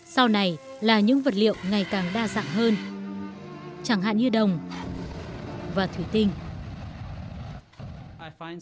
sau này là những vật liệu ngày càng đa dạng hơn chẳng hạn như đồng và thủy tinh